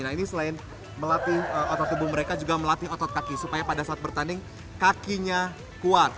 nah ini selain melatih otot tubuh mereka juga melatih otot kaki supaya pada saat bertanding kakinya keluar